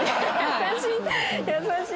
優しい！